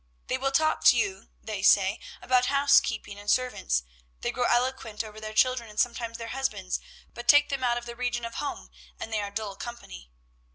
"'They will talk to you,' they say, 'about housekeeping and servants: they grow eloquent over their children, and sometimes their husbands; but take them out of the region of home, and they are dull company.'